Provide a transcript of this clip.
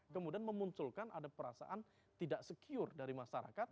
kemudian memunculkan ada perasaan tidak secure dari masyarakat